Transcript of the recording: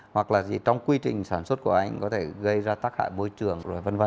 hoặc là gì trong quy trình sản xuất của anh có thể gây ra tác hại môi trường rồi v v